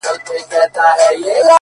• د تل لپاره،